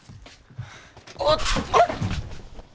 あっ！